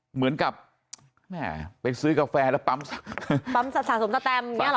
เหมือนกับแม่ไปซื้อกาแฟแล้วปั๊มสะสมสแตมอย่างนี้หรอ